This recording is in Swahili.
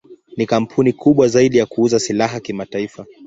Ni kampuni kubwa zaidi ya kuuza silaha kimataifa.